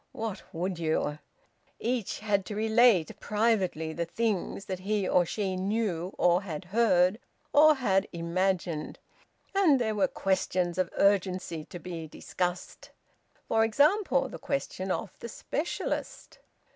What would you? Each had to relate privately the things that he or she knew or had heard or had imagined. And there were questions of urgency to be discussed. For example the question of the specialist.